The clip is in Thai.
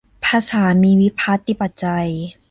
ภาษามีวิภัตติปัจจัย